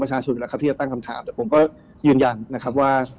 ประชาชนพอตั้งทางตามแต่ผมยืนยันนะครับว่า